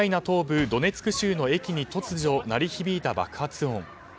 東部ドネツク州の駅に突如、鳴り響いた爆発音。